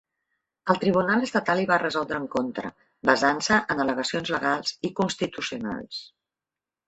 El tribunal estatal hi va resoldre en contra, basant-se en al·legacions legals i constitucionals.